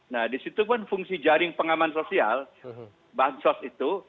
nah di situ kan fungsi jaring pengaman sosial bansos itu